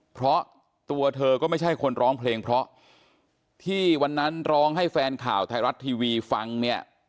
เพราะตัวเธอก็ไม่ใช่คนร้องเพลงเพราะที่วันนั้นร้องให้แฟนข่าวไทยรัฐทีวีฟังเนี่ย